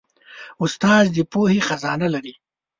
استاد د پوهې خزانه لري.